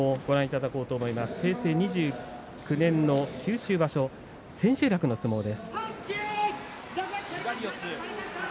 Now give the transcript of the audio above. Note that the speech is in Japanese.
平成２９年の九州場所千秋楽の相撲です。